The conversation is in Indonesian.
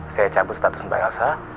saya cabut status mba asa